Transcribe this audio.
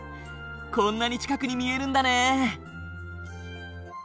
こんなに近くに見えるんだね。